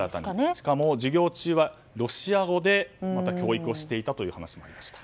しかも授業中はロシア語で教育をしていたという話もありました。